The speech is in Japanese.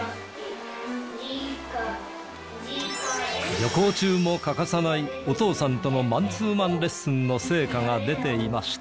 旅行中も欠かさないお父さんとのマンツーマンレッスンの成果が出ていました。